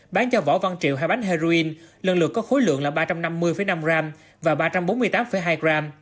bán cho võ văn triệu hai bánh heroin lần lượt có khối lượng là ba trăm năm mươi năm gram và ba trăm bốn mươi tám hai gram